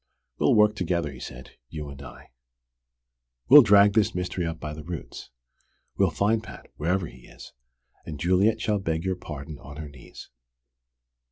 "We'll work together," he said, "you and I. We'll drag this mystery up by the roots. We'll find Pat, wherever he is, and Juliet shall beg your pardon on her knees."